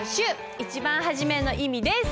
一番初めの意味です。